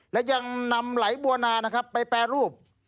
และยังนำไหลบัวนานะครับไปแปรรูป